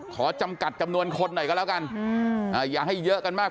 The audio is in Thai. ขอจำกัดจำนวนคนหน่อยก็แล้วกันอย่าให้เยอะกันมาก